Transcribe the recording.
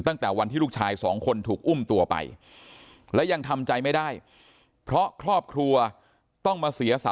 ตั้งแต่วันที่ลูกชาย๒คนถูกอุ้มตัวไปและยังทำใจไม่ได้